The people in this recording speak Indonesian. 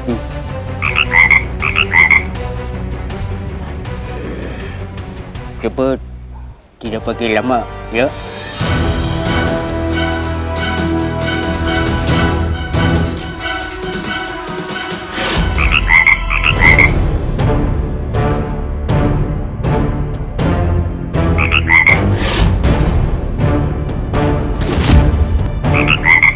yang acara h gentlemen